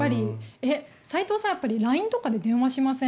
斎藤さん、ＬＩＮＥとかで電話しません？